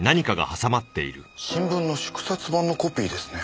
新聞の縮刷版のコピーですね。